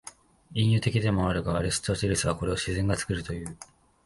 隠喩的でもあるが、アリストテレスはこれを「自然が作る」という。